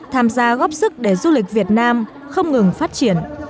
tham gia góp sức để du lịch việt nam không ngừng phát triển